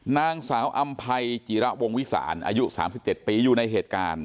นางสาวอำภัยจิระวงวิสานอายุ๓๗ปีอยู่ในเหตุการณ์